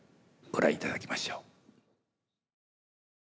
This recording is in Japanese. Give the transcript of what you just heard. ご覧いただきましょう。